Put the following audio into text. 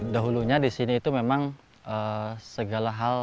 dahulunya di sini itu memang segala hal